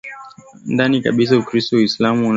ndani kabisa Ukristo na Uislamu vinafanana zaidi kwa sababu